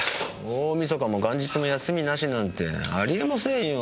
大晦日も元日も休みなしなんて有り得ませんよ。